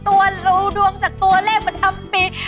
ตัวรู้ดวงจากตัวเลขประจำปี